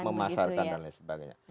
memasarkan dan lain sebagainya